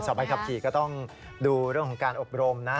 ใบขับขี่ก็ต้องดูเรื่องของการอบรมนะ